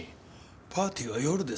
パーティーは夜ですか？